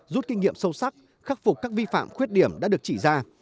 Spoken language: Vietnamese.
rút kinh nghiệm sâu sắc khắc phục các vi phạm khuyết điểm đã được chỉ ra